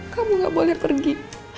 kamu gak boleh pergi